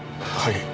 はい。